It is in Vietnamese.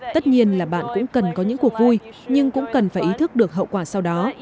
tất nhiên là bạn cũng cần có những cuộc vui nhưng cũng cần phải ý thức được hậu quả sau đó